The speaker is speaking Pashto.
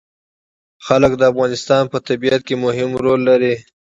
وګړي د افغانستان په طبیعت کې مهم رول لري.